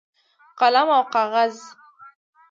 قلم او کاغذ